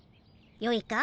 よいか？